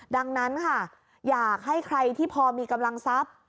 ดังนั้นค่ะอยากให้ใครที่พอมีกำลังทรัพย์